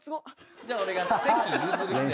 じゃあ俺が。